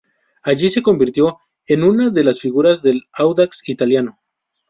Allí se convirtió en una de las figuras del Audax Italiano.